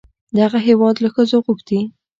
دغه هېواد له ښځو غوښتي